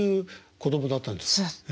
そうです。